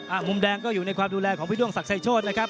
มุมแดงก็อยู่ในความดูแลของพี่ด้วงศักดิ์โชธนะครับ